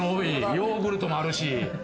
ヨーグルトもあるし。